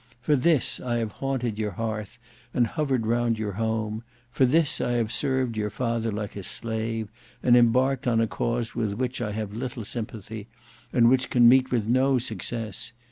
For this I have haunted your hearth and hovered round your home; for this I have served your father like a slave, and embarked in a cause with which I have little sympathy, and which can meet with no success.